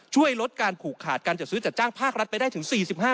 ช่วยลดการผูกขาดการจัดซื้อจัดจ้างภาครัฐไปได้ถึง๔๕